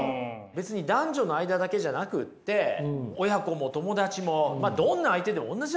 別に男女の間だけじゃなくって親子も友達もどんな相手でも同じだと思うんですよ。